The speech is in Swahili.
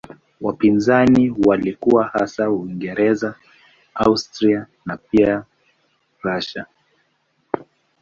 Wapinzani walikuwa hasa Uingereza, Austria na pia Prussia.